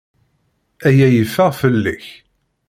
Aya yeffeɣ fell-ak.